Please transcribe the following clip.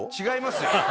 違いますよ。